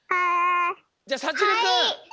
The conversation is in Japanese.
じゃあさちるくん。